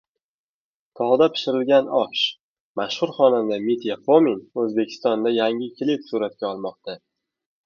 Tog‘da pishirilgan osh: mashhur xonanda Mitya Fomin O‘zbekistonda yangi klip suratga olmoqda